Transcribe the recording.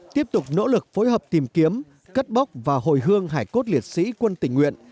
tiếp tục nỗ lực phối hợp tìm kiếm cất bốc và hồi hương hải cốt liệt sĩ quân tỉnh nguyện